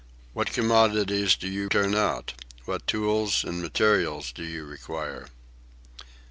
What commodities do you turn out? What tools and materials do you require?"